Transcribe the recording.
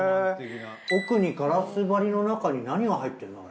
奥にガラス張りの中に何が入ってるの？